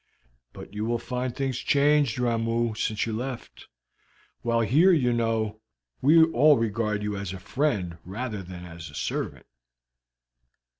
"But you will find things changed, Ramoo, since you left; while here, you know, we all regard you as a friend rather than as a servant."